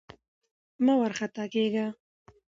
مه وارخطا کېږه!